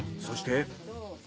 そして。